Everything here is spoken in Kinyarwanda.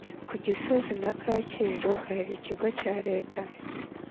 kugisozi na Kacyiru hari ikigo cya reta